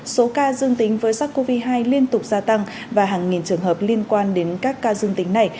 số ca dương tính với sars cov hai liên tục gia tăng và hàng nghìn trường hợp liên quan đến các ca dương tính này